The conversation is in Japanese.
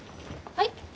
はい？